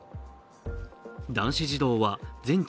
男子児童は全治